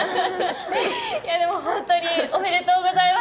でも、本当におめでとうございます。